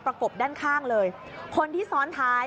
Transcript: กบด้านข้างเลยคนที่ซ้อนท้าย